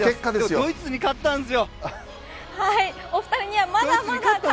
ドイツに勝ったんですよ。